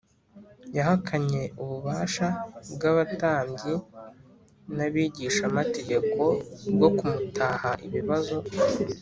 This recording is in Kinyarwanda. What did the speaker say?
. Yahakanye ububasha bw’abatambyi n’abigishamategeko bwo kumuhata ibibazo